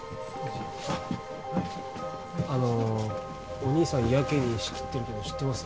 あのお兄さんやけに仕切ってるけど知ってます？